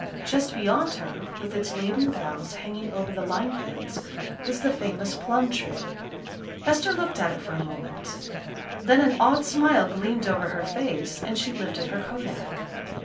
Just beyond her, with its laden boughs hanging over the line fence, was the famous plum tree. Esther looked at it for a moment. Then an odd smile gleamed over her face and she lifted her kodak.